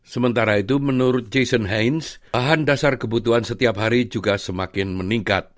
sementara itu menurut jason heinz bahan dasar kebutuhan setiap hari juga semakin meningkat